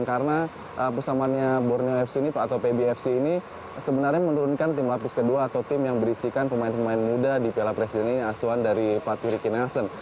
karena pusamanya borneo fc ini atau pbfc ini sebenarnya menurunkan tim lapis kedua atau tim yang berisikan pemain pemain muda di pla presiden ini asuhan dari pak turi kiniasen